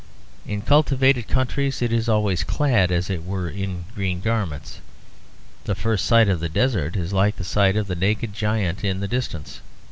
In cultivated countries it is always clad, as it were, in green garments. The first sight of the desert is like the sight of a naked giant in the distance.